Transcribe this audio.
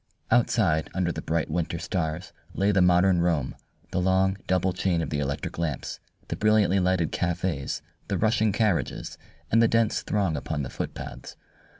Outside under the bright winter stars lay the modern Rome, the long, double chain of the electric lamps, the brilliantly lighted cafes, the rushing carriages, and the dense throng upon the footpaths.